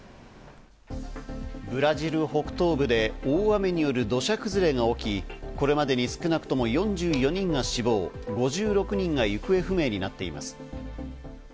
ブラジル北東部で大雨による土砂崩れが起き、これまでに少なくとも４４人が死亡、５６人が行方不明になっています。